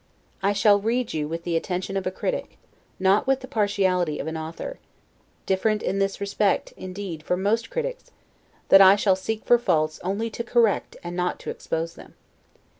I shall read you with the attention of a critic, not with the partiality of an author: different in this respect, indeed, from most critics, that I shall seek for faults only to correct and not to expose them.